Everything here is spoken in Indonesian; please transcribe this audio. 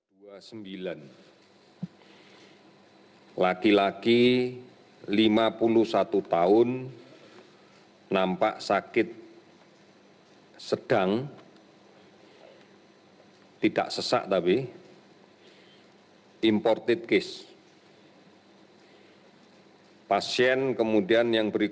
nomor dua puluh sembilan laki laki lima puluh satu tahun nampak sakit sedang tidak sesak tapi imported case